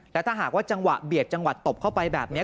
และถ้าหากว่าจังหวะเบียดจังหวัดตบเข้าไปแบบนี้